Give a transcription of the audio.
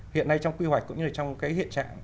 hiện nay trong quy hoạch cũng như là trong cái hiện trạng